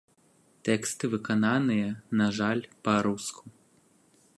Тэксты выкананыя, на жаль, па-руску.